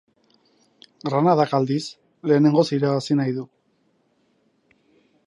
Granadak, aldiz, lehenengoz irabazi nahi du.